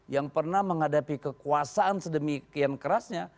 yang pernah menghadapi kekuasaan sedemikian kerasnya